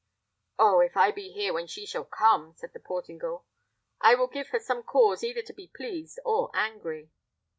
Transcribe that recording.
"Oh! if I be here when she shall come," said the Portingal, "I will give her some cause either to be pleased or angry."